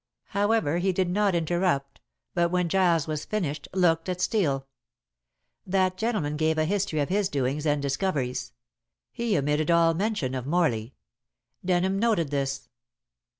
However, he did not interrupt, but when Giles was finished looked at Steel. That gentleman gave a history of his doings and discoveries. He omitted all mention of Morley. Denham noted this.